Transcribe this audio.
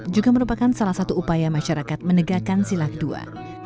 juga merupakan salah satu upaya masyarakat menegakkan sila kedua